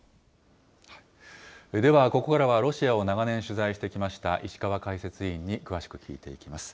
ではここからは、ロシアを長年取材してきました石川解説委員に詳しく聞いていきます。